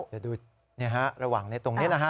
เดี๋ยวดูระหว่างตรงนี้นะฮะ